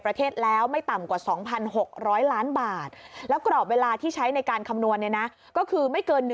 ประเทศแล้วไม่ต่ำกว่า๒๖๐๐ล้านบาทแล้วกรอบเวลาที่ใช้ในการคำนวณเนี่ยนะก็คือไม่เกิน